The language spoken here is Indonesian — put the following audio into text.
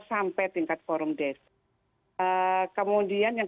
sampai tingkat forum desa kemudian yang